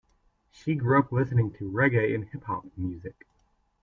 She grew up listening to reggae and hip-hop music.